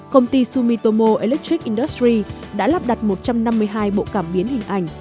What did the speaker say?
công ty sumitomo electric industries đã lắp đặt một trăm năm mươi hai bộ cảm biến hình ảnh